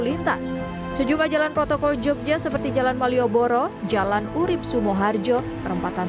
lintas sejumlah jalan protokol jogja seperti jalan malioboro jalan urib sumoharjo perempatan